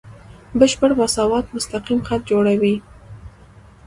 بشپړ مساوات مستقیم خط جوړوي.